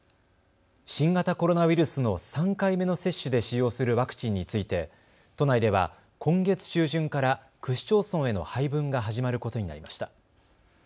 新型コロナウイルスの３回目の接種で使用するワクチンについて都内では今月中旬から区市町村への配分が始まることになりました。